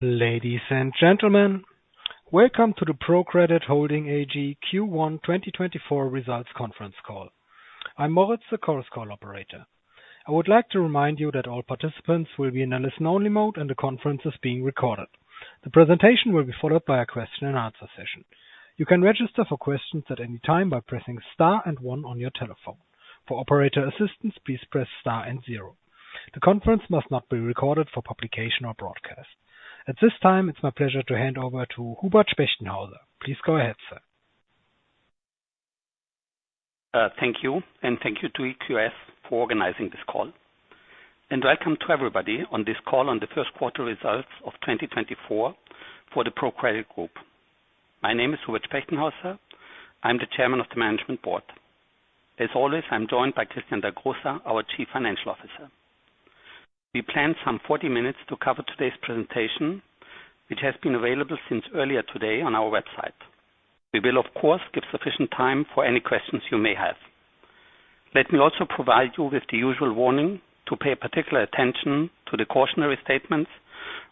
Ladies and gentlemen, welcome to the ProCredit Holding AG Q1 2024 results conference call. I'm Moritz, the conference call operator. I would like to remind you that all participants will be in a listen-only mode and the conference is being recorded. The presentation will be followed by a question and answer session. You can register for questions at any time by pressing star and one on your telephone. For operator assistance, please press star and zero. The conference must not be recorded for publication or broadcast. At this time, it's my pleasure to hand over to Hubert Spechtenhauser. Please go ahead, sir. Thank you, and thank you to EQS for organizing this call. Welcome to everybody on this call on the first quarter results of 2024 for the ProCredit Group. My name is Hubert Spechtenhauser. I'm the Chairman of the Management Board. As always, I'm joined by Christian Dagrosa, our Chief Financial Officer. We plan some 40 minutes to cover today's presentation, which has been available since earlier today on our website. We will, of course, give sufficient time for any questions you may have. Let me also provide you with the usual warning to pay particular attention to the cautionary statements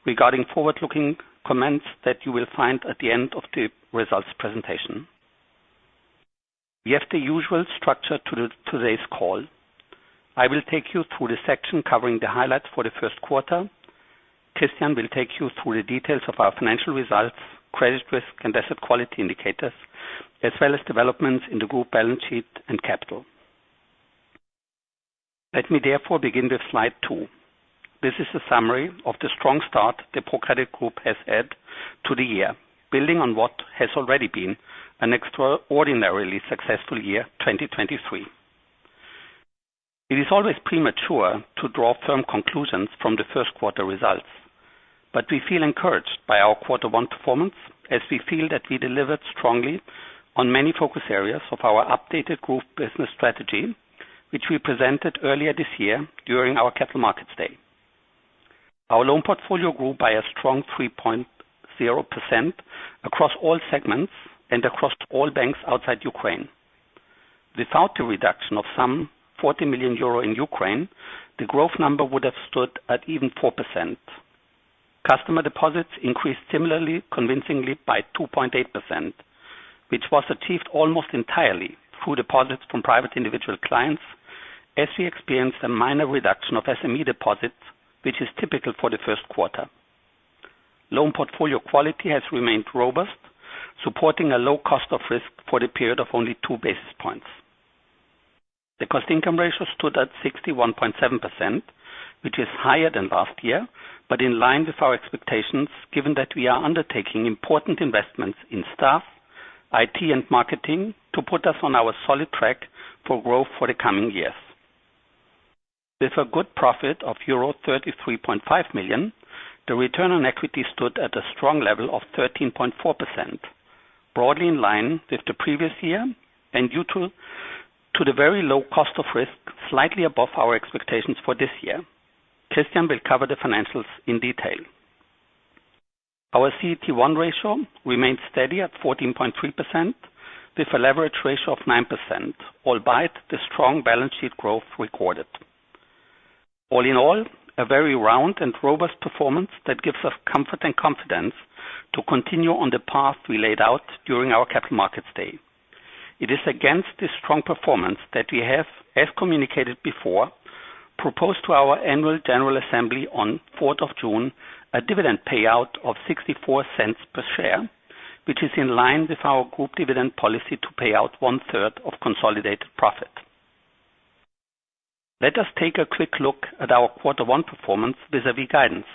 regarding forward-looking comments that you will find at the end of the results presentation. We have the usual structure to today's call. I will take you through the section covering the highlights for the first quarter. Christian will take you through the details of our financial results, credit risk, and asset quality indicators, as well as developments in the group balance sheet and capital. Let me therefore begin with slide two. This is a summary of the strong start the ProCredit Group has had to the year, building on what has already been an extraordinarily successful year, 2023. It is always premature to draw firm conclusions from the first quarter results, but we feel encouraged by our quarter one performance as we feel that we delivered strongly on many focus areas of our updated group business strategy, which we presented earlier this year during our Capital Markets Day. Our loan portfolio grew by a strong 3.0% across all segments and across all banks outside Ukraine. Without the reduction of some 40 million euro in Ukraine, the growth number would have stood at even 4%. Customer deposits increased similarly convincingly by 2.8%, which was achieved almost entirely through deposits from private individual clients, as we experienced a minor reduction of SME deposits, which is typical for the first quarter. Loan portfolio quality has remained robust, supporting a low cost of risk for the period of only two basis points. The cost income ratio stood at 61.7%, which is higher than last year, but in line with our expectations given that we are undertaking important investments in staff, IT, and marketing to put us on our solid track for growth for the coming years. With a good profit of euro 33.5 million, the return on equity stood at a strong level of 13.4%, broadly in line with the previous year, and due to the very low cost of risk, slightly above our expectations for this year. Christian will cover the financials in detail. Our CET1 ratio remained steady at 14.3% with a leverage ratio of 9%, albeit the strong balance sheet growth recorded. All in all, a very round and robust performance that gives us comfort and confidence to continue on the path we laid out during our Capital Markets Day. It is against this strong performance that we have, as communicated before, proposed to our annual general assembly on 4th of June, a dividend payout of 0.64 per share, which is in line with our group dividend policy to pay out one-third of consolidated profit. Let us take a quick look at our quarter one performance vis-a-vis guidance.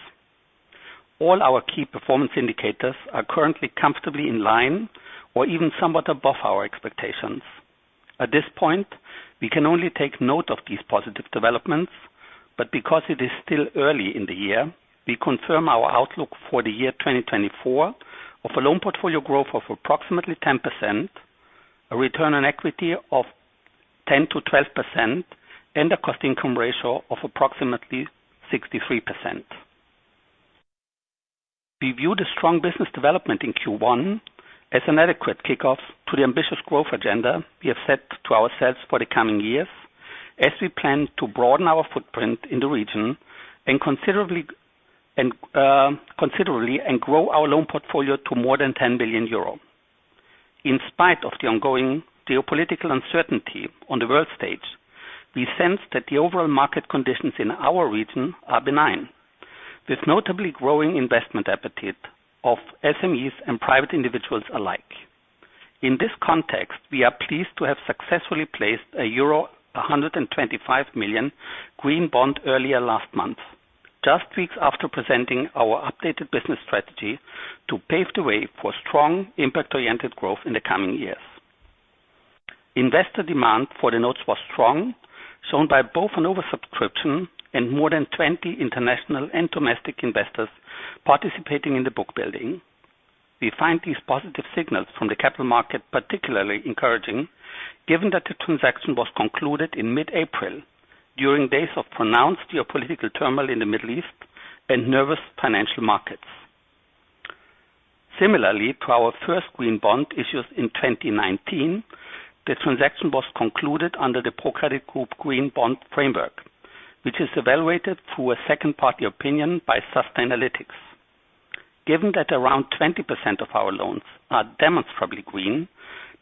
All our key performance indicators are currently comfortably in line or even somewhat above our expectations. At this point, we can only take note of these positive developments. Because it is still early in the year, we confirm our outlook for the year 2024 of a loan portfolio growth of approximately 10%, a return on equity of 10%-12%, and a cost income ratio of approximately 63%. We view the strong business development in Q1 as an adequate kickoff to the ambitious growth agenda we have set to ourselves for the coming years, as we plan to broaden our footprint in the region considerably and grow our loan portfolio to more than 10 billion euro. In spite of the ongoing geopolitical uncertainty on the world stage, we sense that the overall market conditions in our region are benign, with notably growing investment appetite of SMEs and private individuals alike. In this context, we are pleased to have successfully placed a euro 125 million green bond earlier last month, just weeks after presenting our updated business strategy to pave the way for strong impact-oriented growth in the coming years. Investor demand for the notes was strong, shown by both an oversubscription and more than 20 international and domestic investors participating in the book building. We find these positive signals from the capital market particularly encouraging, given that the transaction was concluded in mid-April, during days of pronounced geopolitical turmoil in the Middle East and nervous financial markets. Similarly to our first green bond issues in 2019, the transaction was concluded under the ProCredit Group green bond framework, which is evaluated through a second-party opinion by Sustainalytics. Given that around 20% of our loans are demonstrably green,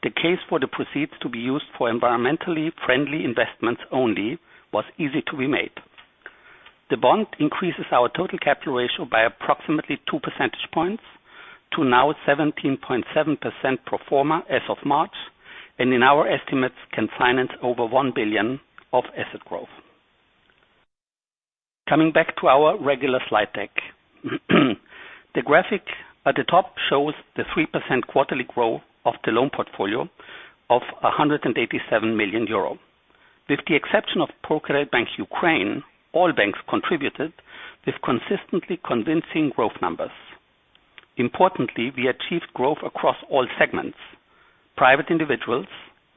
the case for the proceeds to be used for environmentally friendly investments only was easy to be made. The bond increases our total capital ratio by approximately two percentage points to now 17.7% pro forma as of March, and in our estimates can finance over 1 billion of asset growth. Coming back to our regular slide deck. The graphic at the top shows the 3% quarterly growth of the loan portfolio of 187 million euro. With the exception of ProCredit Bank Ukraine, all banks contributed with consistently convincing growth numbers. Importantly, we achieved growth across all segments: Private individuals,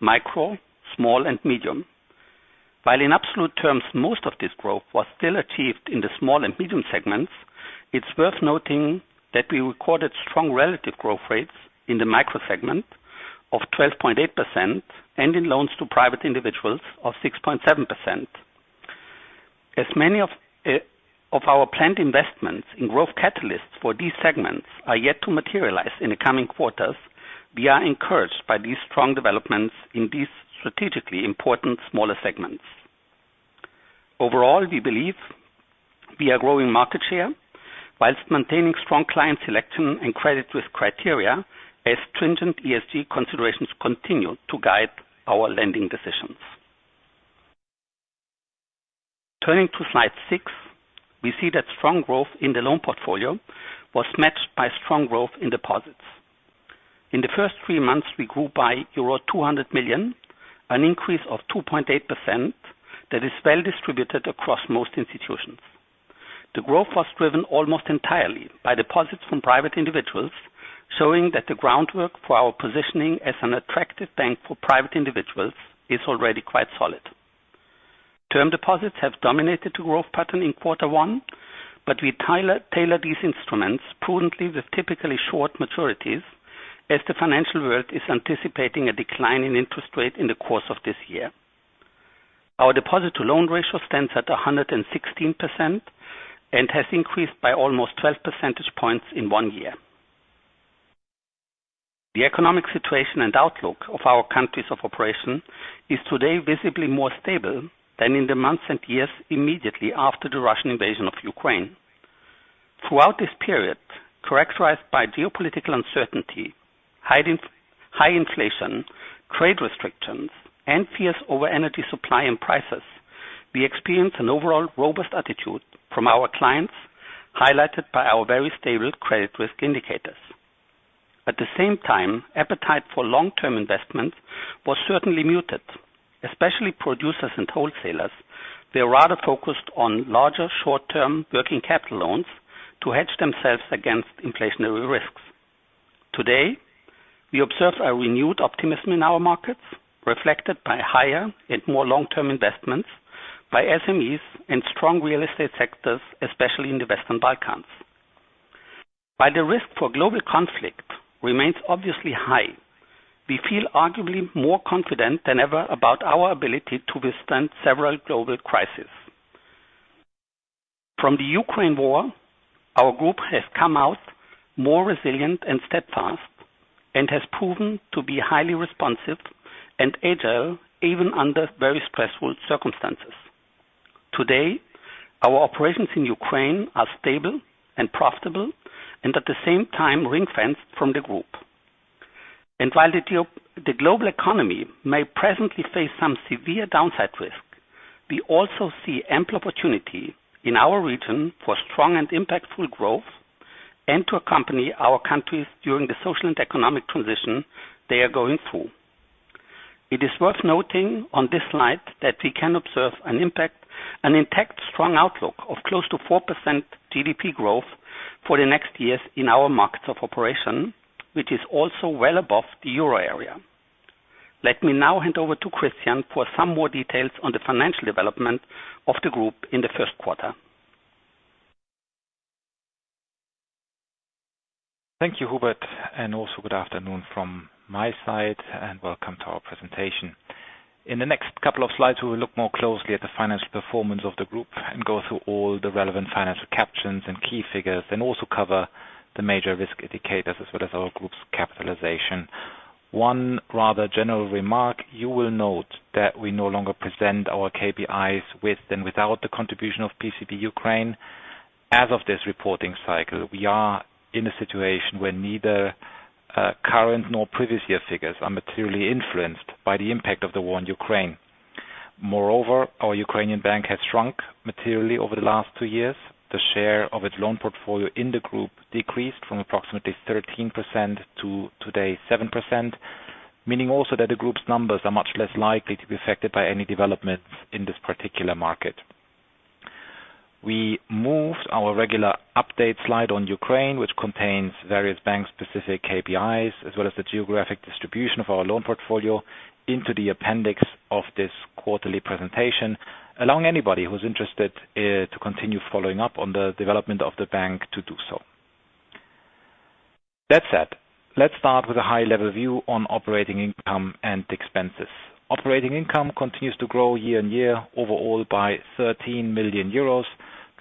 Micro, Small, and Medium. While in absolute terms, most of this growth was still achieved in the Small and Medium segments, it is worth noting that we recorded strong relative growth rates in the Micro segment of 12.8% and in loans to Private individuals of 6.7%. As many of our planned investments in growth catalysts for these segments are yet to materialize in the coming quarters, we are encouraged by these strong developments in these strategically important smaller segments. Overall, we believe we are growing market share whilst maintaining strong client selection and credit risk criteria as stringent ESG considerations continue to guide our lending decisions. Turning to slide six, we see that strong growth in the loan portfolio was matched by strong growth in deposits. In the first three months, we grew by euro 200 million, an increase of 2.8% that is well-distributed across most institutions. The growth was driven almost entirely by deposits from private individuals, showing that the groundwork for our positioning as an attractive bank for private individuals is already quite solid. Term deposits have dominated the growth pattern in quarter one, but we tailor these instruments prudently with typically short maturities as the financial world is anticipating a decline in interest rate in the course of this year. Our deposit to loan ratio stands at 116% and has increased by almost 12 percentage points in one year. The economic situation and outlook of our countries of operation is today visibly more stable than in the months and years immediately after the Russian invasion of Ukraine. Throughout this period, characterized by geopolitical uncertainty, high inflation, trade restrictions, and fears over energy supply and prices, we experienced an overall robust attitude from our clients, highlighted by our very stable credit risk indicators. At the same time, appetite for long-term investments was certainly muted. Especially producers and wholesalers, they are rather focused on larger short-term working capital loans to hedge themselves against inflationary risks. Today, we observe a renewed optimism in our markets, reflected by higher and more long-term investments by SMEs and strong real estate sectors, especially in the Western Balkans. While the risk for global conflict remains obviously high, we feel arguably more confident than ever about our ability to withstand several global crises. From the Ukraine war, our group has come out more resilient and steadfast and has proven to be highly responsive and agile even under very stressful circumstances. Today, our operations in Ukraine are stable and profitable and at the same time ring-fenced from the group. While the global economy may presently face some severe downside risk, we also see ample opportunity in our region for strong and impactful growth and to accompany our countries during the social and economic transition they are going through. It is worth noting on this slide that we can observe an intact strong outlook of close to 4% GDP growth for the next years in our markets of operation, which is also well above the Euro area. Let me now hand over to Christian for some more details on the financial development of the group in the first quarter. Thank you, Hubert, and also good afternoon from my side and welcome to our presentation. In the next couple of slides, we will look more closely at the financial performance of the group and go through all the relevant financial captions and key figures, and also cover the major risk indicators as well as our group's capitalization. One rather general remark, you will note that we no longer present our KPIs with and without the contribution of PCB Ukraine. As of this reporting cycle, we are in a situation where neither current nor previous year figures are materially influenced by the impact of the war in Ukraine. Moreover, our Ukrainian bank has shrunk materially over the last two years. The share of its loan portfolio in the group decreased from approximately 13% to today 7%, meaning also that the group's numbers are much less likely to be affected by any developments in this particular market. We moved our regular update slide on Ukraine, which contains various bank-specific KPIs as well as the geographic distribution of our loan portfolio, into the appendix of this quarterly presentation. Allowing anybody who's interested to continue following up on the development of the bank to do so. That said, let's start with a high-level view on operating income and expenses. Operating income continues to grow year-on-year overall by 13 million euros,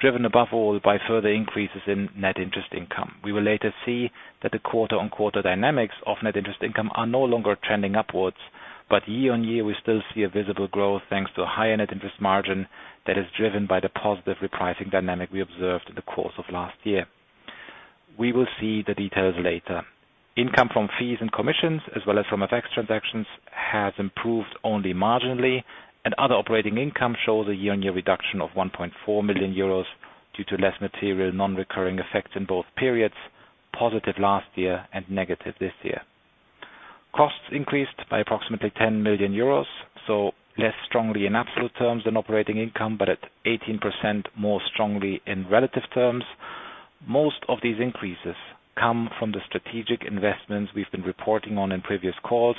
driven above all by further increases in net interest income. We will later see that the quarter-on-quarter dynamics of net interest income are no longer trending upwards, but year-on-year, we still see a visible growth thanks to a higher net interest margin that is driven by the positive repricing dynamic we observed in the course of last year. We will see the details later. Income from fees and commissions, as well as from FX transactions, has improved only marginally, and other operating income shows a year-on-year reduction of 1.4 million euros due to less material non-recurring effects in both periods, positive last year and negative this year. Costs increased by approximately 10 million euros, so less strongly in absolute terms than operating income, but at 18% more strongly in relative terms. Most of these increases come from the strategic investments we've been reporting on in previous calls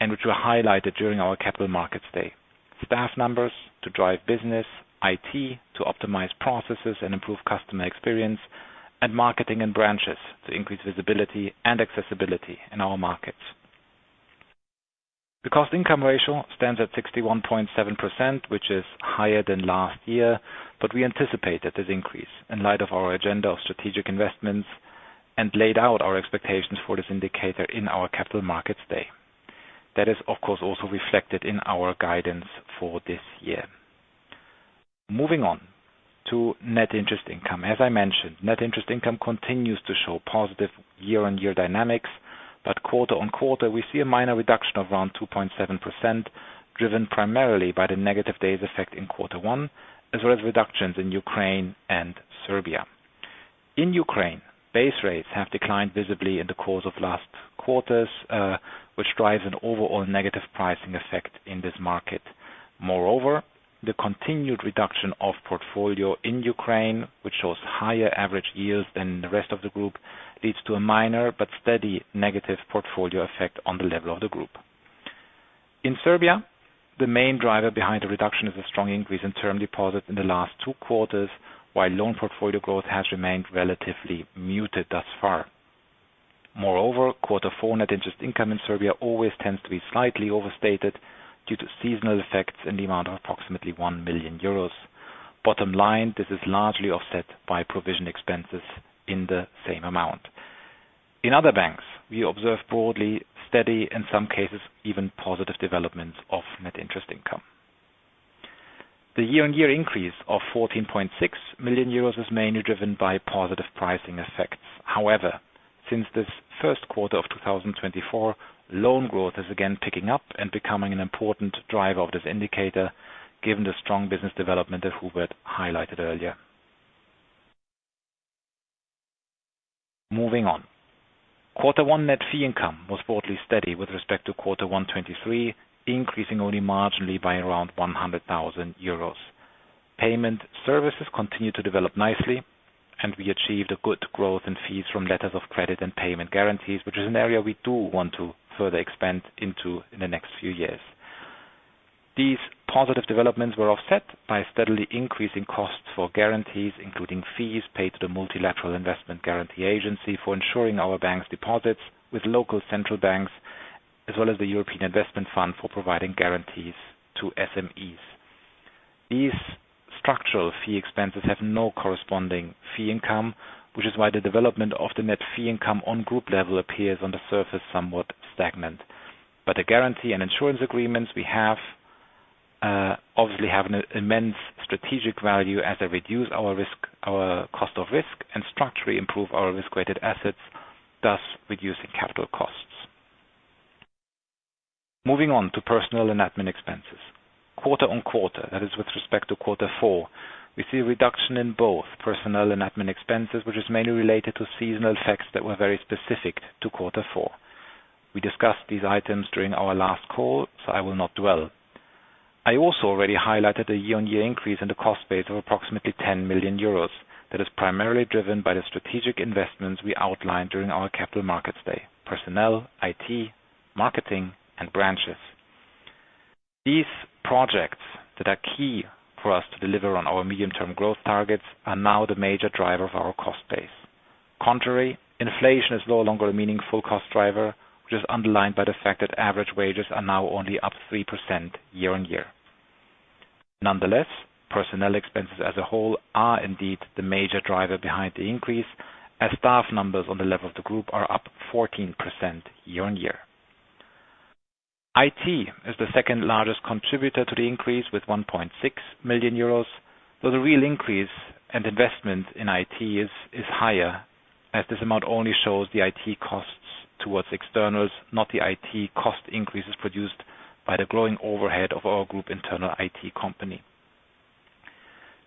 and which were highlighted during our Capital Markets Day. Staff numbers to drive business, IT to optimize processes and improve customer experience, and marketing and branches to increase visibility and accessibility in our markets. The cost-income ratio stands at 61.7%, which is higher than last year, but we anticipated this increase in light of our agenda of strategic investments and laid out our expectations for this indicator in our Capital Markets Day. That is, of course, also reflected in our guidance for this year. Moving on to net interest income. As I mentioned, net interest income continues to show positive year-on-year dynamics, but quarter-on-quarter we see a minor reduction of around 2.7%, driven primarily by the negative base effect in quarter one, as well as reductions in Ukraine and Serbia. In Ukraine, base rates have declined visibly in the course of last quarters, which drives an overall negative pricing effect in this market. Moreover, the continued reduction of portfolio in Ukraine, which shows higher average yields than the rest of the group, leads to a minor but steady negative portfolio effect on the level of the group. In Serbia, the main driver behind the reduction is a strong increase in term deposits in the last two quarters, while loan portfolio growth has remained relatively muted thus far. Moreover, quarter four net interest income in Serbia always tends to be slightly overstated due to seasonal effects in the amount of approximately 1 million euros. Bottom line, this is largely offset by provision expenses in the same amount. In other banks, we observe broadly steady, in some cases even positive developments of net interest income. The year-on-year increase of 14.6 million euros is mainly driven by positive pricing effects. Since this first quarter of 2024, loan growth is again picking up and becoming an important driver of this indicator given the strong business development that Hubert highlighted earlier. Moving on. Quarter one net fee income was broadly steady with respect to quarter one 2023, increasing only marginally by around 100,000 euros. Payment services continued to develop nicely, and we achieved a good growth in fees from letters of credit and payment guarantees, which is an area we do want to further expand into in the next few years. These positive developments were offset by steadily increasing costs for guarantees, including fees paid to the Multilateral Investment Guarantee Agency for insuring our bank's deposits with local central banks, as well as the European Investment Fund for providing guarantees to SMEs. These structural fee expenses have no corresponding fee income, which is why the development of the net fee income on group level appears on the surface somewhat stagnant. The guarantee and insurance agreements we have obviously have an immense strategic value as they reduce our cost of risk and structurally improve our risk-weighted assets, thus reducing capital costs. Moving on to personnel and admin expenses. Quarter-on-quarter, that is with respect to quarter four, we see a reduction in both personnel and admin expenses, which is mainly related to seasonal effects that were very specific to quarter four. We discussed these items during our last call, so I will not dwell. I also already highlighted a year-on-year increase in the cost base of approximately 10 million euros. That is primarily driven by the strategic investments we outlined during our Capital Markets Day: personnel, IT, marketing, and branches. These projects that are key for us to deliver on our medium-term growth targets are now the major driver of our cost base. Contrary, inflation is no longer a meaningful cost driver, which is underlined by the fact that average wages are now only up 3% year-on-year. Nonetheless, personnel expenses as a whole are indeed the major driver behind the increase, as staff numbers on the level of the group are up 14% year-on-year. IT is the second-largest contributor to the increase with 1.6 million euros, though the real increase and investment in IT is higher, as this amount only shows the IT costs towards externals, not the IT cost increases produced by the growing overhead of our group internal IT company.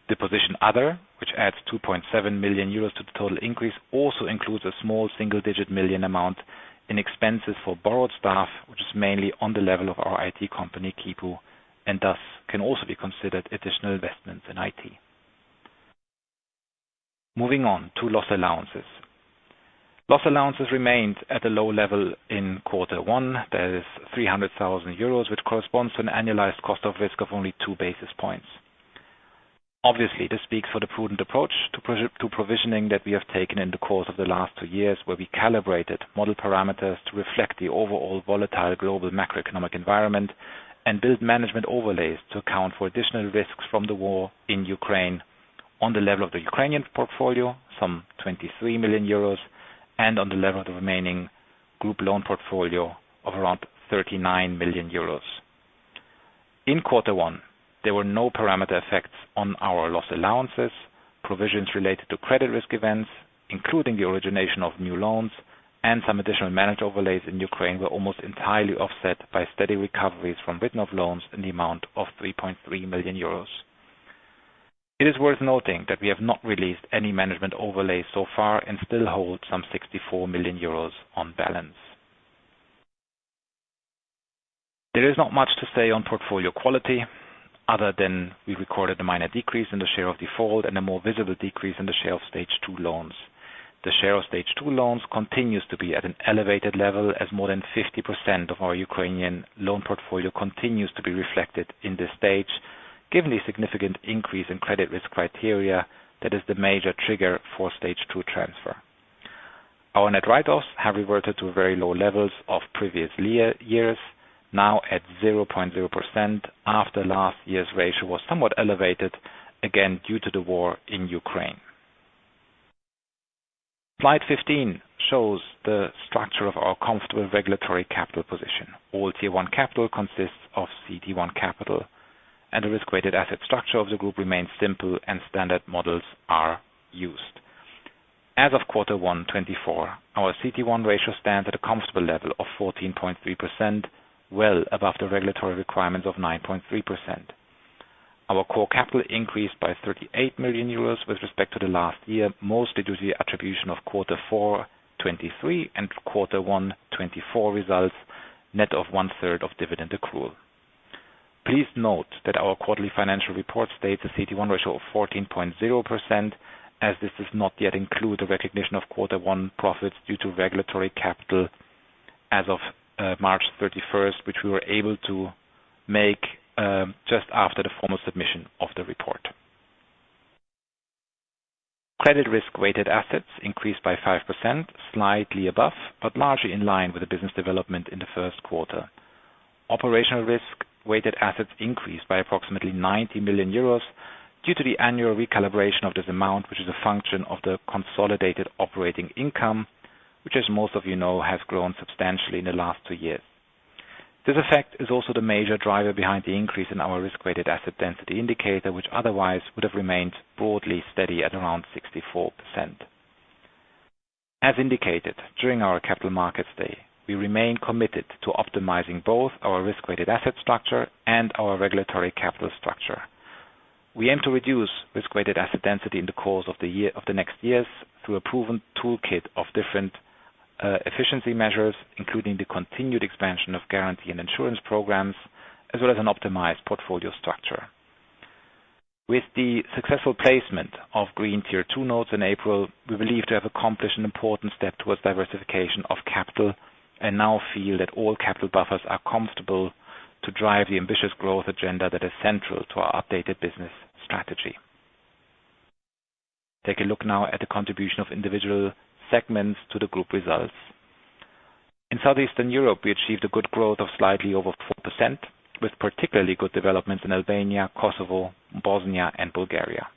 The position other, which adds 2.7 million euros to the total increase, also includes a small single-digit million amount in expenses for borrowed staff, which is mainly on the level of our IT company, Quipu, and thus can also be considered additional investments in IT. Moving on to loss allowances. Loss allowances remained at a low level in quarter one. That is 300,000 euros, which corresponds to an annualized cost of risk of only two basis points. Obviously, this speaks for the prudent approach to provisioning that we have taken in the course of the last two years, where we calibrated model parameters to reflect the overall volatile global macroeconomic environment and build management overlays to account for additional risks from the war in Ukraine. On the level of the Ukrainian portfolio, some 23 million euros, and on the level of the remaining group loan portfolio of around 39 million euros. In quarter one, there were no parameter effects on our loss allowances. Provisions related to credit risk events, including the origination of new loans, and some additional managed overlays in Ukraine were almost entirely offset by steady recoveries from written-off loans in the amount of 3.3 million euros. It is worth noting that we have not released any management overlays so far and still hold some 64 million euros on balance. There is not much to say on portfolio quality other than we recorded a minor decrease in the share of default and a more visible decrease in the share of Stage 2 loans. The share of Stage 2 loans continues to be at an elevated level as more than 50% of our Ukrainian loan portfolio continues to be reflected in this stage, given the significant increase in credit risk criteria, that is the major trigger for Stage 2 transfer. Our net write-offs have reverted to very low levels of previous years, now at 0.0% after last year's ratio was somewhat elevated, again, due to the war in Ukraine. Slide 15 shows the structure of our comfortable regulatory capital position. All Tier 1 capital consists of CET1 capital, and the risk-weighted asset structure of the group remains simple and standard models are used. As of quarter one 2024, our CET1 ratio stands at a comfortable level of 14.3%, well above the regulatory requirements of 9.3%. Our core capital increased by 38 million euros with respect to the last year, mostly due to the attribution of quarter four 2023 and quarter one 2024 results, net of 1/3 of dividend accrual. Please note that our quarterly financial report states a CET1 ratio of 14.0%, as this does not yet include the recognition of quarter one profits due to regulatory capital as of March 31st, which we were able to make just after the formal submission of the report. Credit risk-weighted assets increased by 5%, slightly above, but largely in line with the business development in the first quarter. Operational risk weighted assets increased by approximately 90 million euros due to the annual recalibration of this amount, which is a function of the consolidated operating income, which as most of you know, has grown substantially in the last two years. This effect is also the major driver behind the increase in our risk-weighted asset density indicator, which otherwise would have remained broadly steady at around 64%. As indicated during our capital markets day, we remain committed to optimizing both our risk-weighted asset structure and our regulatory capital structure. We aim to reduce risk-weighted asset density in the course of the next years through a proven toolkit of different efficiency measures, including the continued expansion of guarantee and insurance programs, as well as an optimized portfolio structure. With the successful placement of green Tier 2 notes in April, we believe to have accomplished an important step towards diversification of capital and now feel that all capital buffers are comfortable to drive the ambitious growth agenda that is central to our updated business strategy. Take a look now at the contribution of individual segments to the group results. In Southeastern Europe, we achieved a good growth of slightly over 4%, with particularly good developments in Albania, Kosovo, Bosnia, and Bulgaria.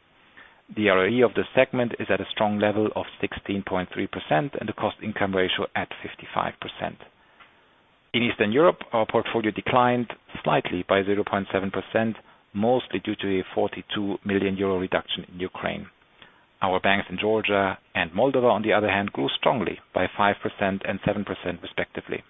The ROE of the segment is at a strong level of 16.3% and the cost income ratio at 55%. In Eastern Europe, our portfolio declined slightly by 0.7%, mostly due to a 42 million euro reduction in Ukraine. Our banks in Georgia and Moldova, on the other hand, grew strongly by 5% and 7% respectively.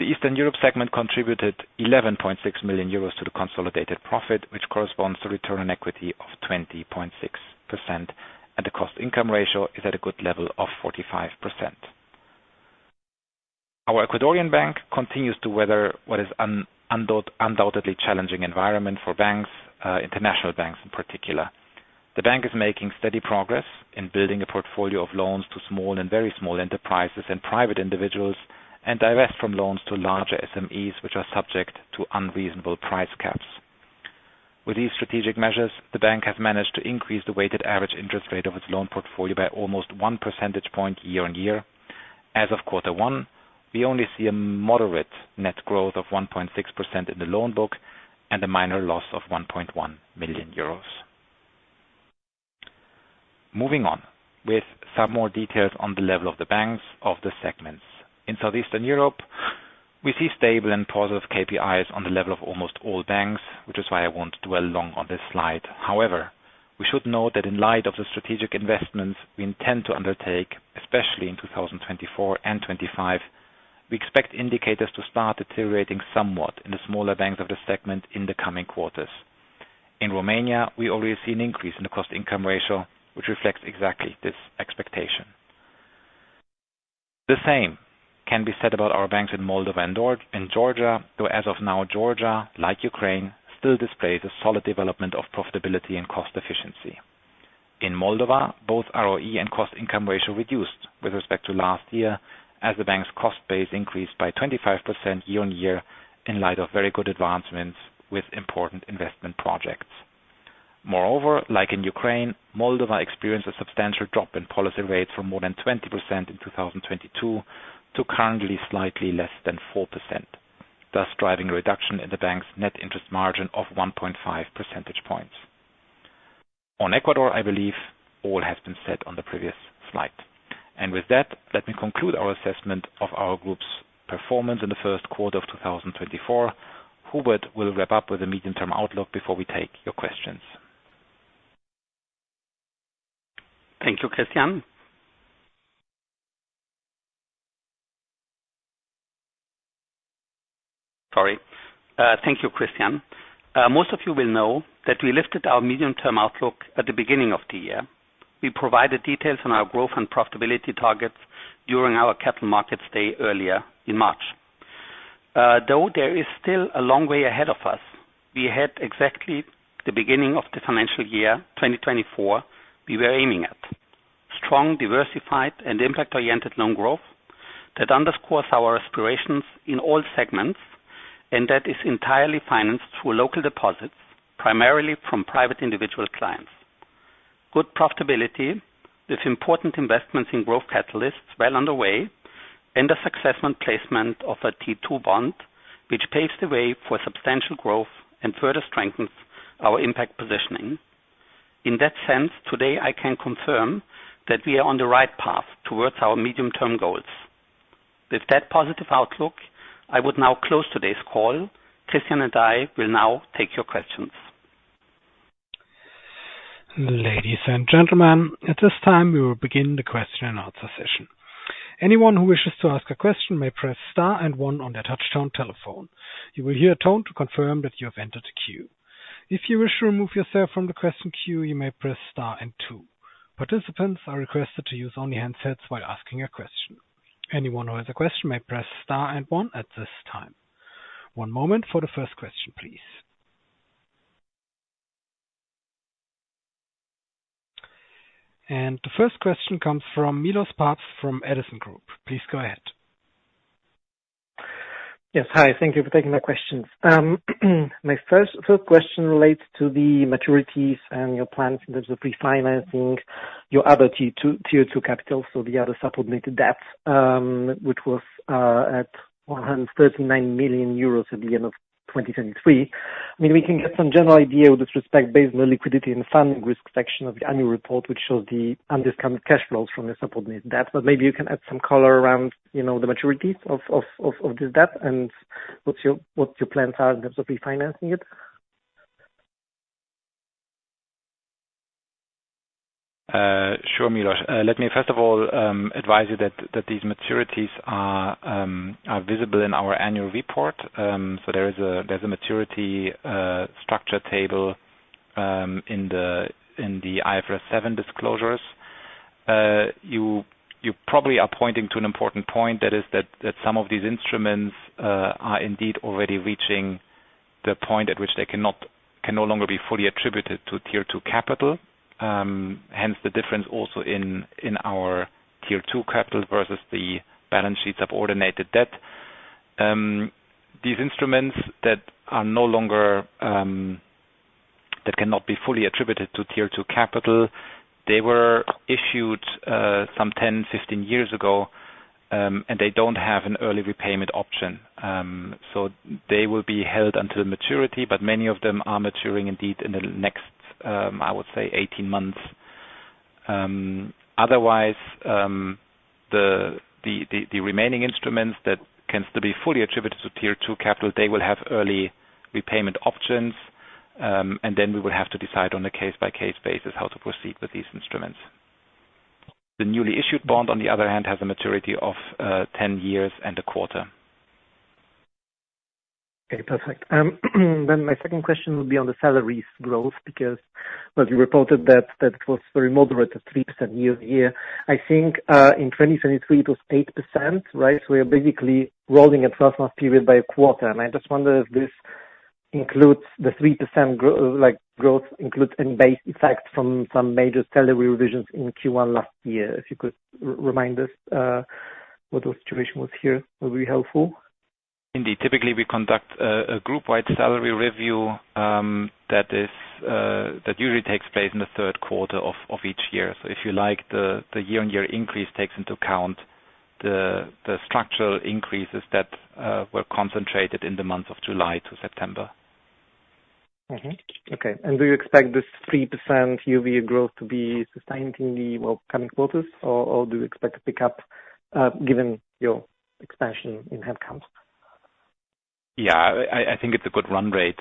The Eastern Europe segment contributed 11.6 million euros to the consolidated profit, which corresponds to return on equity of 20.6%, and the cost income ratio is at a good level of 45%. Our Ecuadorian bank continues to weather what is undoubtedly challenging environment for banks, international banks in particular. The bank is making steady progress in building a portfolio of loans to small and very small enterprises and private individuals, and divest from loans to larger SMEs, which are subject to unreasonable price caps. With these strategic measures, the bank has managed to increase the weighted average interest rate of its loan portfolio by almost one percentage point year-on-year. As of quarter one, we only see a moderate net growth of 1.6% in the loan book and a minor loss of 1.1 million euros. Moving on with some more details on the level of the banks of the segments. In Southeastern Europe, we see stable and positive KPIs on the level of almost all banks, which is why I won't dwell long on this slide. However, we should note that in light of the strategic investments we intend to undertake, especially in 2024 and 2025, we expect indicators to start deteriorating somewhat in the smaller banks of the segment in the coming quarters. In Romania, we already see an increase in the cost income ratio, which reflects exactly this expectation. The same can be said about our banks in Moldova and Georgia, though as of now, Georgia, like Ukraine, still displays a solid development of profitability and cost efficiency. In Moldova, both ROE and cost income ratio reduced with respect to last year, as the bank's cost base increased by 25% year-on-year in light of very good advancements with important investment projects. Moreover, like in Ukraine, Moldova experienced a substantial drop in policy rates from more than 20% in 2022 to currently slightly less than 4%, thus driving a reduction in the bank's net interest margin of 1.5 percentage points. On Ecuador, I believe all has been said on the previous slide. With that, let me conclude our assessment of our group's performance in the first quarter of 2024. Hubert will wrap up with a medium-term outlook before we take your questions. Thank you, Christian. Thank you, Christian. Most of you will know that we lifted our medium-term outlook at the beginning of the year. We provided details on our growth and profitability targets during our capital markets day earlier in March. Though there is still a long way ahead of us, we had exactly the beginning of the financial year 2024 we were aiming at. Strong, diversified and impact-oriented loan growth that underscores our aspirations in all segments, and that is entirely financed through local deposits, primarily from private individual clients. Good profitability with important investments in growth catalysts well underway, and a successful placement of a Tier 2 bond, which paves the way for substantial growth and further strengthens our impact positioning. In that sense, today, I can confirm that we are on the right path towards our medium-term goals. With that positive outlook, I would now close today's call. Christian and I will now take your questions. Ladies and gentlemen, at this time, we will begin the question and answer session. Anyone who wishes to ask a question may press star and one on their touchtone telephone. You will hear a tone to confirm that you have entered a queue. If you wish to remove yourself from the question queue, you may press star and two. Participants are requested to use only handsets while asking a question. Anyone who has a question may press star and one at this time. One moment for the first question, please. The first question comes from Milosz Papst from Edison Group. Please go ahead. Yes. Hi. Thank you for taking the questions. My first question relates to the maturities and your plans in terms of refinancing your other Tier 2 capital, so the other subordinated debt, which was at 139 million euros at the end of 2023. We can get some general idea with respect based on the liquidity and funding risk section of the annual report, which shows the undiscounted cash flows from the subordinated debt, but maybe you can add some color around the maturities of this debt and what your plans are in terms of refinancing it. Sure, Milosz. Let me first of all advise you that these maturities are visible in our annual report. There is a maturity structure table in the IFRS 7 disclosures. You probably are pointing to an important point, that is that some of these instruments are indeed already reaching the point at which they can no longer be fully attributed to Tier 2 capital. Hence, the difference also in our Tier 2 capital versus the balance sheet's subordinated debt. These instruments that cannot be fully attributed to Tier 2 capital, they were issued some 10, 15 years ago, and they don't have an early repayment option. They will be held until maturity, but many of them are maturing indeed in the next, I would say 18 months. Otherwise, the remaining instruments that can still be fully attributed to Tier 2 capital, they will have early repayment options, and then we would have to decide on a case-by-case basis how to proceed with these instruments. The newly issued bond, on the other hand, has a maturity of 10 years and a quarter. Okay, perfect. My second question would be on the salaries growth, because as you reported that it was very moderate at 3% year-over-year. I think in 2023, it was 8%, right? So we are basically rolling a 12-month period by a quarter, and I just wonder if the 3% growth includes any base effects from some major salary revisions in Q1 last year. If you could remind us what the situation was here, that would be helpful. Indeed. Typically, we conduct a group-wide salary review that usually takes place in the third quarter of each year. So if you like, the year-on-year increase takes into account the structural increases that were concentrated in the month of July to September. Okay. Do you expect this 3% year-over-year growth to be sustained in the coming quarters, or do you expect a pickup given your expansion in headcounts? I think it's a good run rate.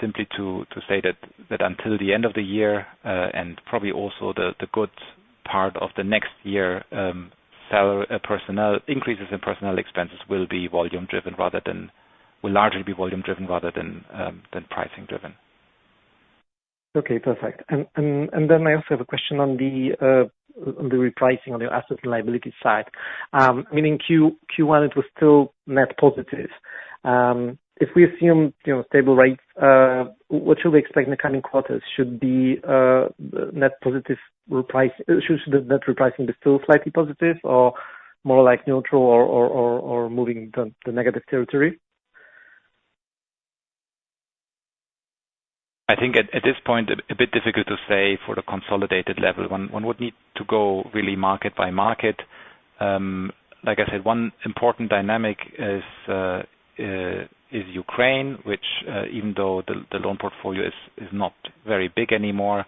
Simply to say that until the end of the year, and probably also the good part of the next year, increases in personnel expenses will largely be volume driven rather than pricing driven. Okay, perfect. I also have a question on the repricing on your asset and liability side. In Q1, it was still net positive. If we assume stable rates, what should we expect in the coming quarters? Should the net repricing be still slightly positive or more neutral or moving to negative territory? I think at this point, a bit difficult to say for the consolidated level. One would need to go really market by market. Like I said, one important dynamic is Ukraine, which even though the loan portfolio is not very big anymore,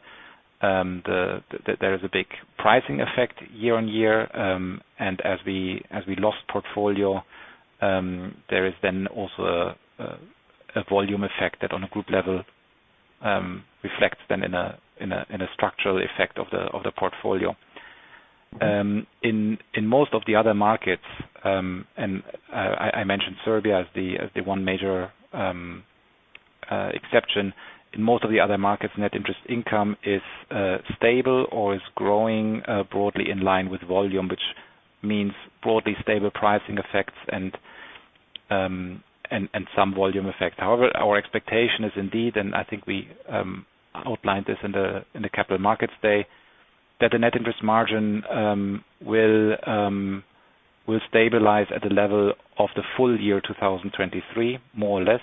there is a big pricing effect year-on-year. As we lost portfolio, there is then also a volume effect that on a group level reflects then in a structural effect of the portfolio. In most of the other markets, I mentioned Serbia as the one major exception. In most of the other markets, net interest income is stable or is growing broadly in line with volume, which means broadly stable pricing effects and some volume effect. However, our expectation is indeed, and I think we outlined this in the Capital Markets Day, that the net interest margin will stabilize at the level of the full year 2023, more or less,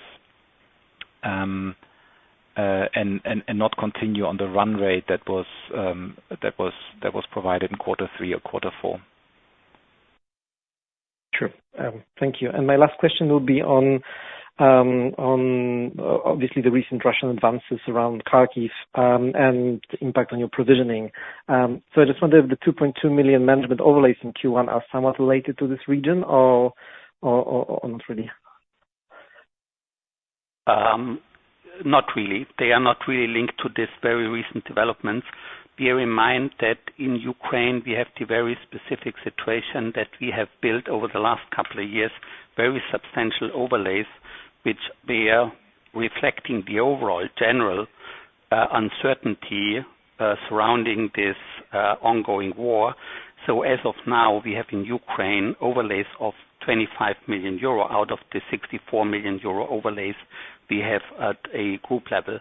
and not continue on the run rate that was provided in quarter three or quarter four. Sure. Thank you. My last question will be on, obviously the recent Russian advances around Kharkiv, and the impact on your provisioning. I just wondered if the 2.2 million management overlays in Q1 are somewhat related to this region or not really? Not really. They are not really linked to this very recent development. Bear in mind that in Ukraine we have the very specific situation that we have built over the last couple of years, very substantial overlays, which they are reflecting the overall general uncertainty surrounding this ongoing war. As of now, we have in Ukraine overlays of 25 million euro out of the 64 million euro overlays we have at a group level.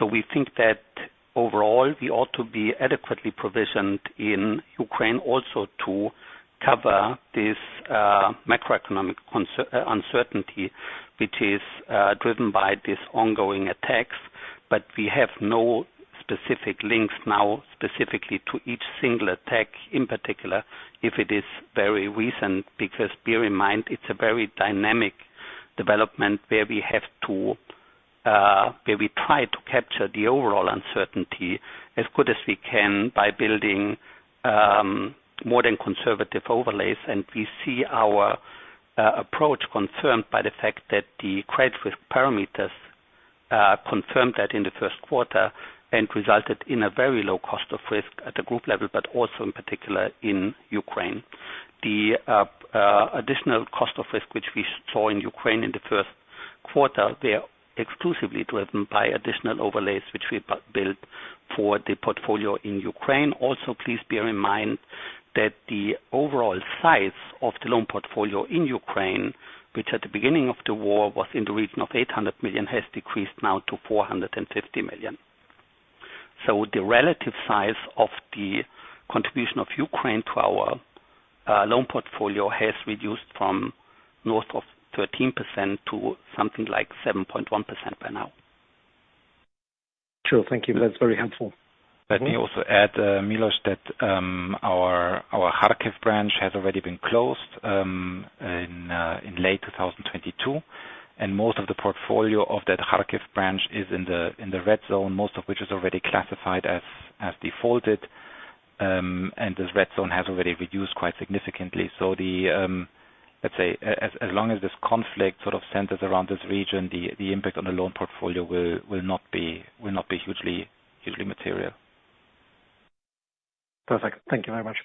We think that overall we ought to be adequately provisioned in Ukraine also to cover this macroeconomic uncertainty, which is driven by these ongoing attacks. We have no specific links now specifically to each single attack, in particular, if it is very recent, because bear in mind, it's a very dynamic development where we try to capture the overall uncertainty as good as we can by building more than conservative overlays. We see our approach confirmed by the fact that the credit risk parameters confirmed that in the first quarter and resulted in a very low cost of risk at the ProCredit Group level, but also in particular in Ukraine. The additional cost of risk which we saw in Ukraine in the first quarter, they are exclusively driven by additional overlays which we built for the portfolio in Ukraine. Please bear in mind that the overall size of the loan portfolio in Ukraine, which at the beginning of the war was in the region of 800 million, has decreased now to 450 million. The relative size of the contribution of Ukraine to our loan portfolio has reduced from north of 13% to something like 7.1% by now. Sure. Thank you. That's very helpful. Let me also add, Milosz, that our Kharkiv branch has already been closed in late 2022, most of the portfolio of that Kharkiv branch is in the red zone, most of which is already classified as defaulted. This red zone has already reduced quite significantly. Let's say, as long as this conflict sort of centers around this region, the impact on the loan portfolio will not be hugely material. Perfect. Thank you very much.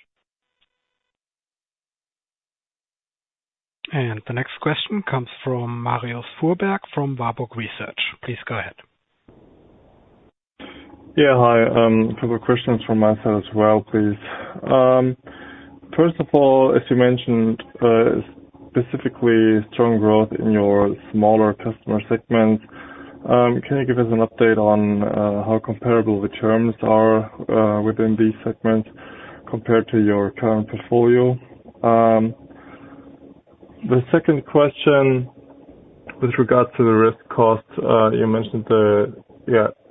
The next question comes from Marius Fuhrberg, from Warburg Research. Please go ahead. Yeah. Hi. A couple of questions from my side as well, please. First of all, as you mentioned, specifically strong growth in your smaller customer segments. Can you give us an update on how comparable the terms are within these segments compared to your current portfolio? The second question with regards to the risk cost, you mentioned the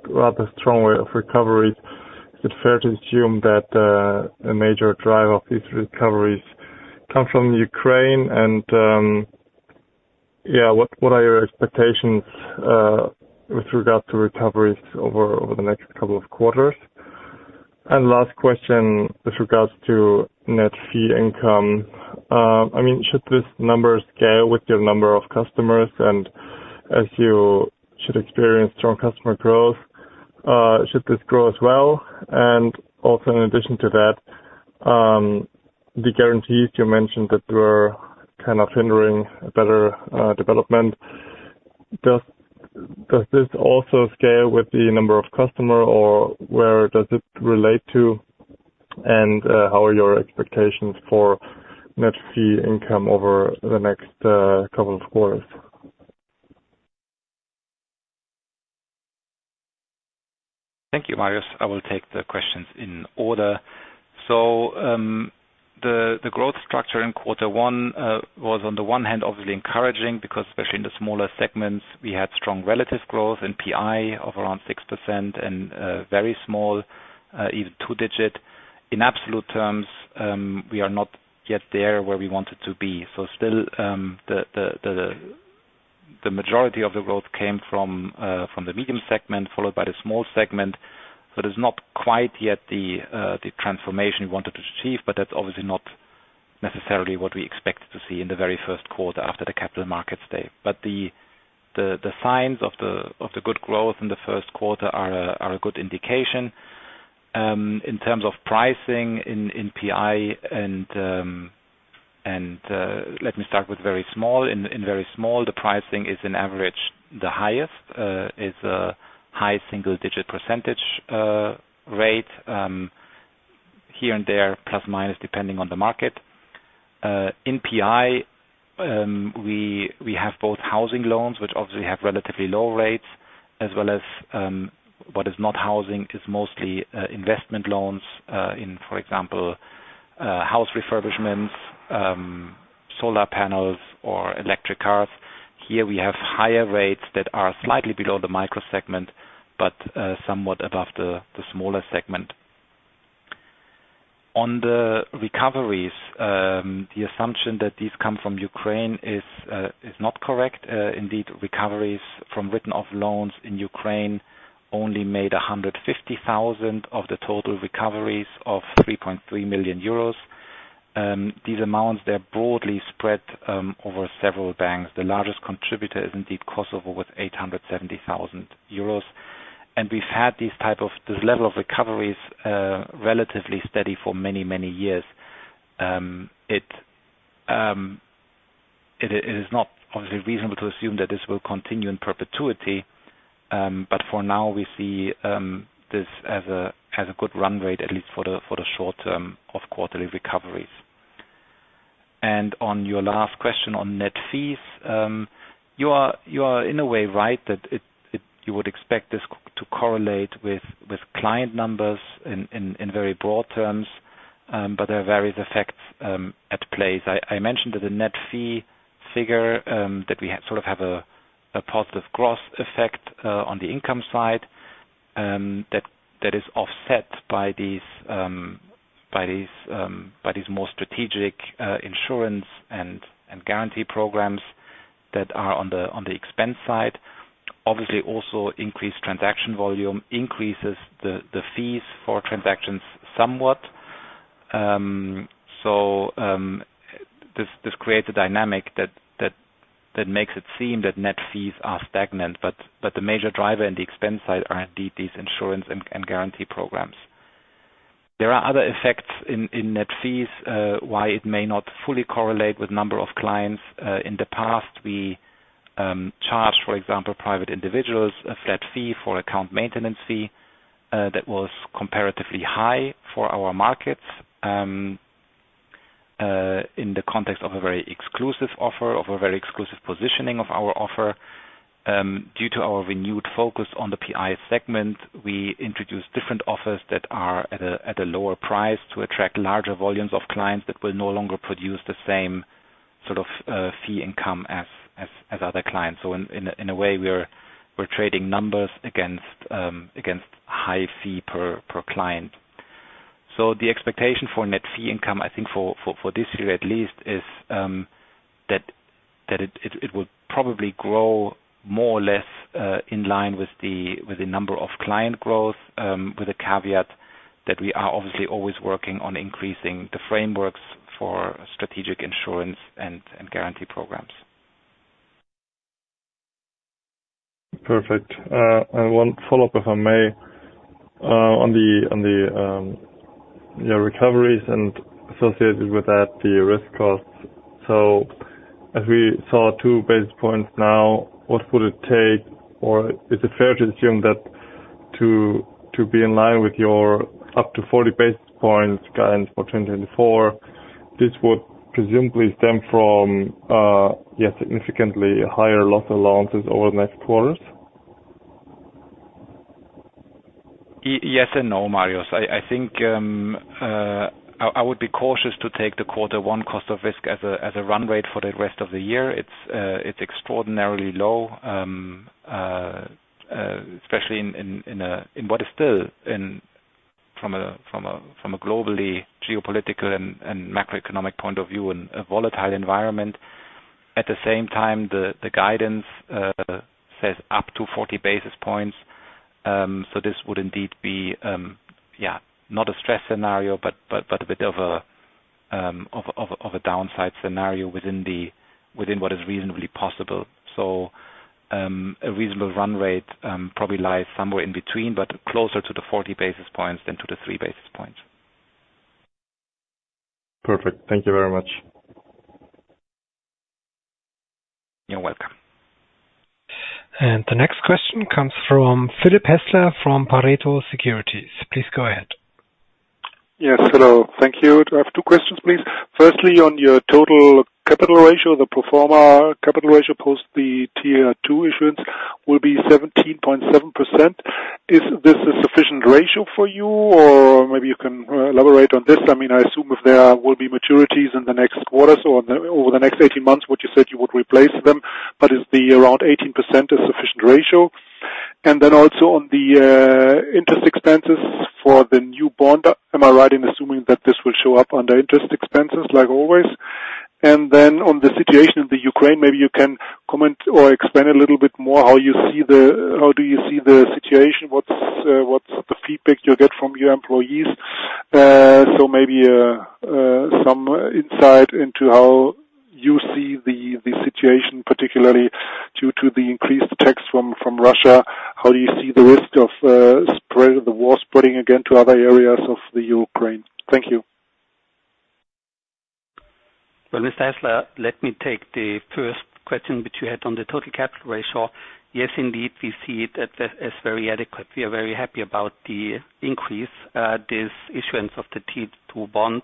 rather strong way of recoveries. Is it fair to assume that a major driver of these recoveries come from Ukraine? What are your expectations with regard to recoveries over the next couple of quarters? Last question with regards to net fee income. Should this number scale with your number of customers and as you should experience strong customer growth, should this grow as well? Also in addition to that, the guarantees you mentioned that were kind of hindering a better development. Does this also scale with the number of customer or where does it relate to? How are your expectations for net fee income over the next couple of quarters? Thank you, Marius. I will take the questions in order. The growth structure in quarter one was on the one hand, obviously encouraging because especially in the smaller segments, we had strong relative growth in PI of around 6% and very small, even two-digit. In absolute terms, we are not yet there where we wanted to be. Still, the majority of the growth came from the Medium segment, followed by the Small segment. It is not quite yet the transformation we wanted to achieve, but that's obviously not necessarily what we expected to see in the very first quarter after the capital markets day. The signs of the good growth in the first quarter are a good indication. In terms of pricing in PI and let me start with very small. In very small, the pricing is on average the highest. It's a high single-digit percentage rate, here and there, plus or minus, depending on the market. In PI, we have both housing loans, which obviously have relatively low rates as well as what is not housing is mostly investment loans, in, for example, house refurbishments, solar panels, or electric cars. Here we have higher rates that are slightly below the Micro segment, but somewhat above the smaller segment. On the recoveries, the assumption that these come from Ukraine is not correct. Indeed, recoveries from written-off loans in Ukraine only made 150,000 of the total recoveries of 3.3 million euros. These amounts, they're broadly spread over several banks. The largest contributor is indeed Kosovo with 870,000 euros. We've had this level of recoveries relatively steady for many, many years. It is not obviously reasonable to assume that this will continue in perpetuity, but for now, we see this as a good run rate, at least for the short term of quarterly recoveries. On your last question on net fees, you are in a way, right, that you would expect this to correlate with client numbers in very broad terms. There are various effects at play. I mentioned that the net fee figure, that we sort of have a positive cross effect on the income side that is offset by these more strategic insurance and guarantee programs that are on the expense side. Obviously, also increased transaction volume increases the fees for transactions somewhat. This creates a dynamic that makes it seem that net fees are stagnant. The major driver in the expense side are indeed these insurance and guarantee programs. There are other effects in net fees, why it may not fully correlate with number of clients. In the past, we charged, for example, private individuals a flat fee for account maintenance fee that was comparatively high for our markets in the context of a very exclusive offer, of a very exclusive positioning of our offer. Due to our renewed focus on the PI segment, we introduced different offers that are at a lower price to attract larger volumes of clients that will no longer produce the same sort of fee income as other clients. In a way, we're trading numbers against high fee per client. The expectation for net fee income, I think for this year at least, is that it will probably grow more or less in line with the number of client growth, with the caveat that we are obviously always working on increasing the frameworks for strategic insurance and guarantee programs. Perfect. One follow-up, if I may, on the recoveries and associated with that, the risk costs. As we saw two basis points now, what would it take, or is it fair to assume that to be in line with your up to 40 basis points guidance for 2024, this would presumably stem from significantly higher loss allowances over the next quarters? Yes and no, Marius. I think I would be cautious to take the quarter one cost of risk as a run rate for the rest of the year. It's extraordinarily low, especially in what is still from a globally geopolitical and macroeconomic point of view, in a volatile environment. At the same time, the guidance says up to 40 basis points. This would indeed be, not a stress scenario, but a bit of a downside scenario within what is reasonably possible. A reasonable run rate probably lies somewhere in between, but closer to the 40 basis points than to the three basis points. Perfect. Thank you very much. You're welcome. The next question comes from Philipp Hässler from Pareto Securities. Please go ahead. Yes. Hello. Thank you. I have two questions, please. Firstly, on your total capital ratio, the pro forma capital ratio post the Tier 2 issuance will be 17.7%. Is this a sufficient ratio for you? Maybe you can elaborate on this. I assume if there will be maturities in the next quarters or over the next 18 months, what you said you would replace them, is the around 18% a sufficient ratio? Also on the interest expenses for the new bond, am I right in assuming that this will show up under interest expenses like always? On the situation in the Ukraine, maybe you can comment or expand a little bit more how do you see the situation, what's the feedback you get from your employees? Maybe some insight into how you see the situation, particularly due to the increased attacks from Russia, how do you see the risk of the war spreading again to other areas of the Ukraine? Thank you. Well, Mr. Hässler, let me take the first question which you had on the total capital ratio. Yes, indeed, we see it as very adequate. We are very happy about the increase. This issuance of the Tier 2 bond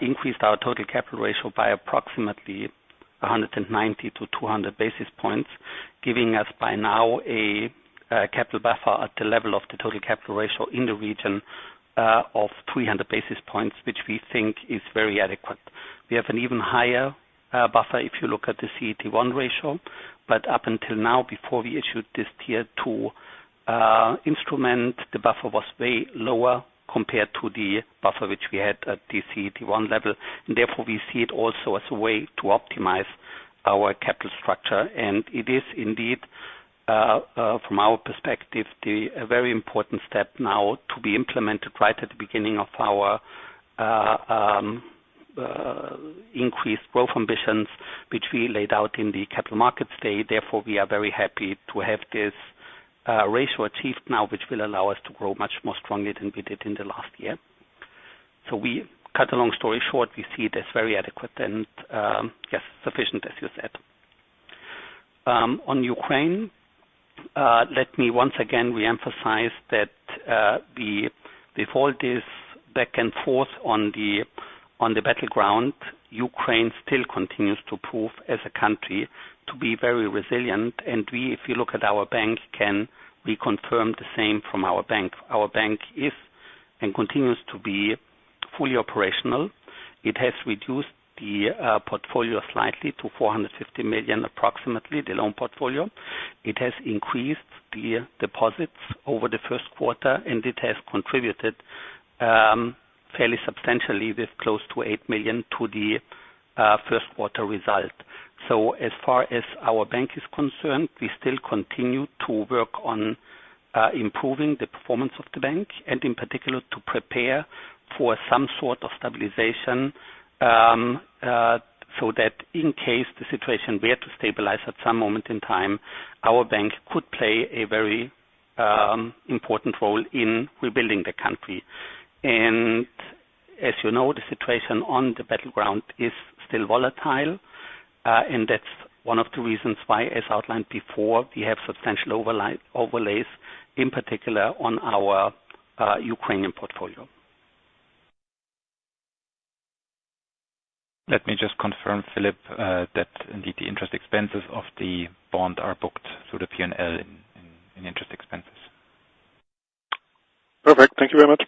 increased our total capital ratio by approximately 190 basis points-200 basis points, giving us by now a capital buffer at the level of the total capital ratio in the region of 300 basis points, which we think is very adequate. We have an even higher buffer if you look at the CET1 ratio, up until now, before we issued this Tier 2 instrument, the buffer was way lower compared to the buffer which we had at the CET1 level. We see it also as a way to optimize our capital structure. It is indeed, from our perspective, a very important step now to be implemented right at the beginning of our increased growth ambitions, which we laid out in the capital market stage. We are very happy to have this ratio achieved now, which will allow us to grow much more strongly than we did in the last year. We cut a long story short, we see it as very adequate and, yes, sufficient, as you said. On Ukraine, let me once again reemphasize that with all this back and forth on the battleground, Ukraine still continues to prove as a country to be very resilient. We, if you look at our bank, can reconfirm the same from our bank. Our bank is and continues to be fully operational. It has reduced the portfolio slightly to 450 million, approximately, the loan portfolio. It has increased the deposits over the first quarter, and it has contributed fairly substantially, with close to 8 million, to the first quarter result. As far as our bank is concerned, we still continue to work on improving the performance of the bank, and in particular, to prepare for some sort of stabilization, so that in case the situation were to stabilize at some moment in time, our bank could play a very important role in rebuilding the country. As you know, the situation on the battleground is still volatile, and that's one of the reasons why, as outlined before, we have substantial overlays, in particular on our Ukrainian portfolio. Let me just confirm, Philipp, that indeed the interest expenses of the bond are booked through the P&L in interest expenses. Perfect. Thank you very much.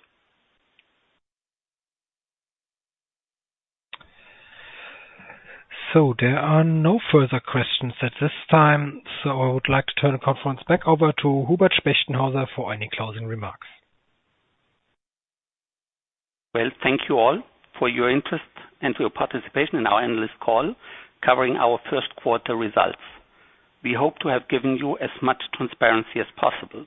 There are no further questions at this time. I would like to turn the conference back over to Hubert Spechtenhauser for any closing remarks. Well, thank you all for your interest and for your participation in our analyst call covering our first quarter results. We hope to have given you as much transparency as possible.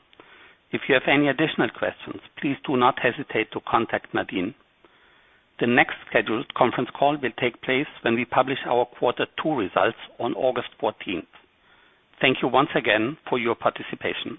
If you have any additional questions, please do not hesitate to contact Nadine. The next scheduled conference call will take place when we publish our quarter two results on August 14th. Thank you once again for your participation.